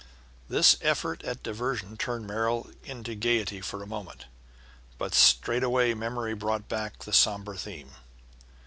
This effort at diversion turned Merrill into gaiety for a moment, but straightway memory brought back the somber theme.